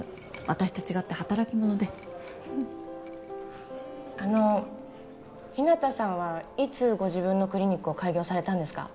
私と違って働き者であの日向さんはいつご自分のクリニックを開業されたんですか？